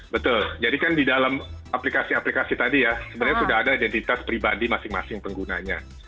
betul jadi kan di dalam aplikasi aplikasi tadi ya sebenarnya sudah ada identitas pribadi masing masing penggunanya